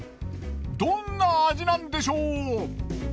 どんな味なんでしょう？